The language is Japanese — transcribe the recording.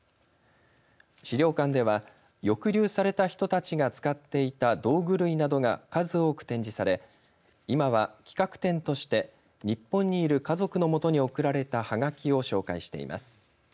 資料館では抑留された人たちが使っていた道具類などが数多く展示され今は企画展として日本にいる家族の元に送られたはがきを紹介しています。